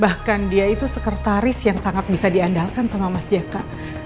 bahkan dia itu sekretaris yang sangat bisa diandalkan sama mas jk